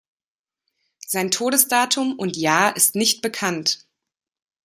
Sein Todesdatum und -jahr ist nicht bekannt.